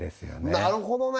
なるほどね！